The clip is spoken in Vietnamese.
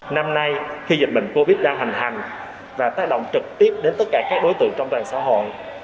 năm nay khi dịch bệnh covid đang hành hành và tác động trực tiếp đến tất cả các đối tượng trong toàn xã hội